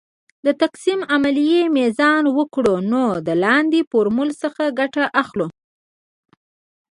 د تقسیم د عملیې میزان وکړو نو د لاندې فورمول څخه ګټه اخلو .